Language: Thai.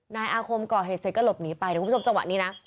นายอาคมก่อเหตุเสร็จก็หลบหนีไปเดี๋ยวคุณผู้ชมจังหวะนี้นะ